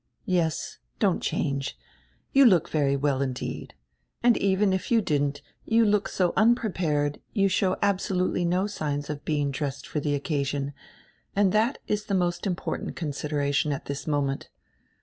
Yes, don't change. You look very well indeed. And even if you didn't, you look so unprepared, you show absolutely no signs of being dressed for die occasion, and that is the most important considera tion at this moment.